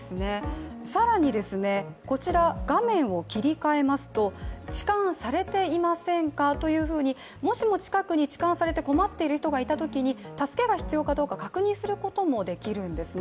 更に、こちら、画面を切り替えますと「ちかんされていませんか？」というふうにもしも近くに痴漢されて困っている人がいたときに助けが必要かどうか確認することもできるんですね。